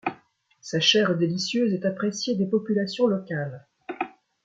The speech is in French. Sa chair délicieuse est appréciée des populations locales.